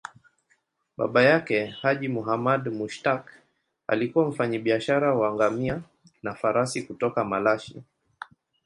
Baba yake, Haji Muhammad Mushtaq, alikuwa mfanyabiashara wa ngamia na farasi kutoka Malashi.